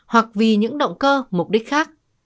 hoặc vì những động cơ mục đích khác